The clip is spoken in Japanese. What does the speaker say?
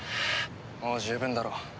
もう十分だろう。